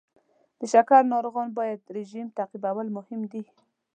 د شکر ناروغان باید رژیم تعقیبول مهم دی.